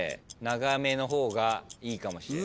長めの方がいいかもしれない。